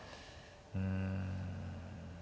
うん。